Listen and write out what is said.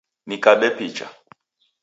Nikabe picha